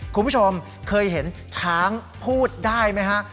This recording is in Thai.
คุณผู้ชมเคยเห็นช้างพูดได้ไหมฮะ